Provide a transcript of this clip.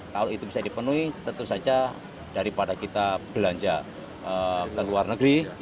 kalau itu bisa dipenuhi tentu saja daripada kita belanja ke luar negeri